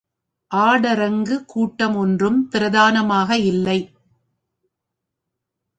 ஆடரங்கு கூட்டம் ஒன்றும் பிரமாதமாக இல்லை.